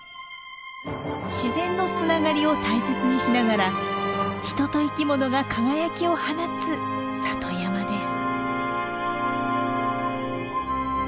自然のつながりを大切にしながら人と生き物が輝きを放つ里山です。